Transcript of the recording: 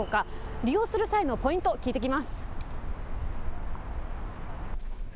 利用する際のポイント、聞いてきます。